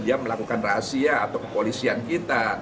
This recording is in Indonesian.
dia melakukan rahasia atau kepolisian kita